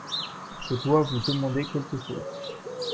je dois vous demander quelque chose.